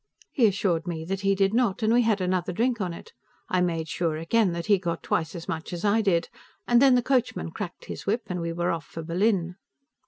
He assured me that he did not, and we had another drink on it I made sure, again, that he got twice as much as I did and then the coachman cracked his whip and we were off for Berlin.